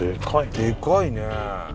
でかいね！